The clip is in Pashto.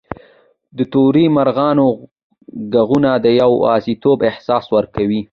د تورو مرغانو ږغونه د یوازیتوب احساس ورکوي.